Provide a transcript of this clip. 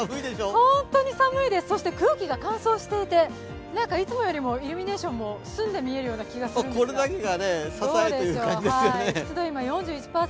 本当に寒いです、そして空気が乾燥していて、なんか、いつもよりもイルミネーションも澄んで見えるような気がするんですが。